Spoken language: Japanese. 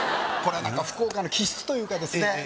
これは何か福岡の気質というかですね